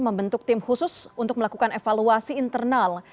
membentuk tim khusus untuk melakukan evaluasi internal